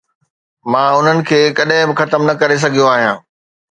مان انهن کي ڪڏهن به ختم نه ڪري سگهيو آهيان